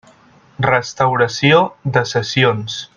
Restauració de sessions.